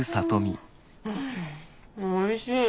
おいしい。